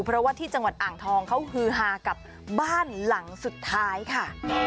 เพราะว่าที่จังหวัดอ่างทองเขาฮือฮากับบ้านหลังสุดท้ายค่ะ